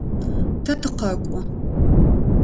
Тэ тыкъэкӏо.